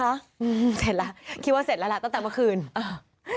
อืมเสร็จแล้วคิดว่าเสร็จแล้วล่ะตั้งแต่เมื่อคืนอ่า